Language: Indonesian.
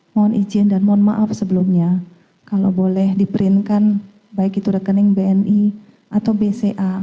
mohon izin dan mohon maaf sebelumnya kalau boleh diperinkan baik itu rekening bni atau bca